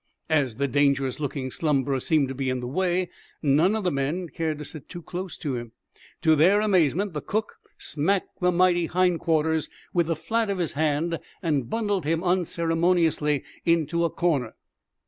As the dangerous looking slumberer seemed to be in the way none of the men caring to sit too close to him to their amazement the cook smacked the mighty hindquarters with the flat of his hand, and bundled him unceremoniously into a corner.